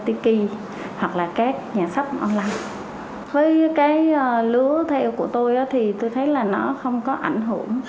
tiếp tục triển khai mạnh hơn nữa tại địa phương của họ